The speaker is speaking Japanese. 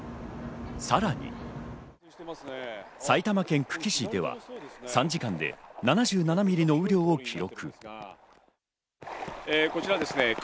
さらに、埼玉県久喜市では３時間で７７ミリの雨量を記録。